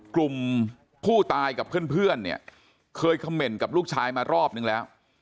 กลุ่มผู้ตายกับเพื่อนเนี่ยเคยเขม่นกับลูกชายมารอบนึงแล้ว